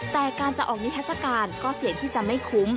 แต่การจะออกมิงเทศกาลก็เห็นที่จะไม่คุ้ม